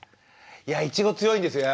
いやいちご強いんですよ